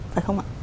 phải không ạ